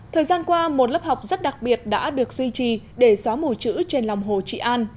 thời gian qua một lớp học rất đặc biệt đã được duy trì để xóa mù chữ trên lòng hồ trị an